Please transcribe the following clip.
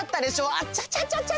あちゃちゃちゃちゃ。